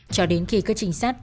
cho đến khi cơ trình sát